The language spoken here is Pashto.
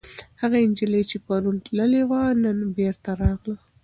هغه نجلۍ چې پرون تللې وه، نن بېرته راغله.